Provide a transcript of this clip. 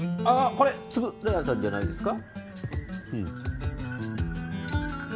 これ円谷さんじゃないですか？